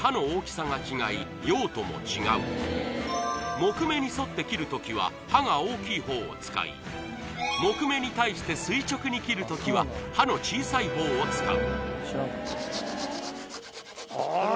木目に沿って切るときは刃が大きい方を使い木目に対して垂直に切るときは刃の小さい方を使う。